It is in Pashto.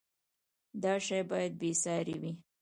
دا شی باید بې ساری وي.